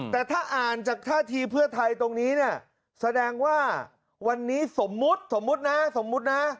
แต่ถ้าอ่านจากท่าทีเพื่อไทยตรงนี้แสดงว่าวันนี้สมมุตินะ